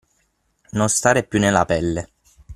Non stare più nella pelle.